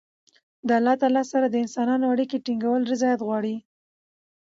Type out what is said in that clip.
د الله تعالی سره د انسانانو اړیکي ټینګول رياضت غواړي.